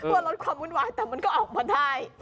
เพื่อลดความวุ่นวายแต่มันก็ออกมาได้